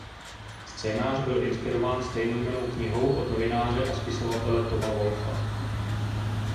Scénář byl inspirován stejnojmennou knihou od novináře a spisovatele Toma Wolfa.